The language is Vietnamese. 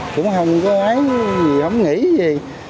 cũng không có ai gì không nghĩ gì